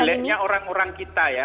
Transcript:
ini selainnya orang orang kita ya